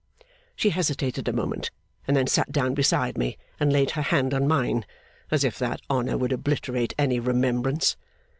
She hesitated a moment, and then sat down beside me, and laid her hand on mine. As if that honour would obliterate any remembrance!